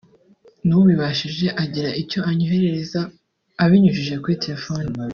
nubibashije agira icyo anyoherereza abinyujije kuri telefoni